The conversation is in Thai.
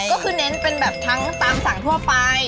ก็คือเน้นเป็นแบบทั้งตามสั่งทั่วไป